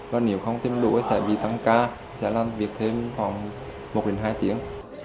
và nếu không tìm đủ thì sẽ bị tăng ca sẽ làm việc thêm khoảng một đến hai tiếng